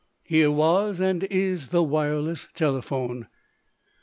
Here was and is the wireless telephone.